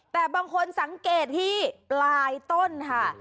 แต่บางคนสังเกตที่ปลายต้นค่ะ